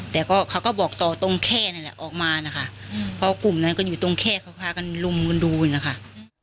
แต่ก็เขาก็บอกต่อตรงแค่นั่นแหละออกมานะคะเพราะกลุ่มนั้นก็อยู่ตรงแค่เขาพากันลุมกันดูอยู่นะคะ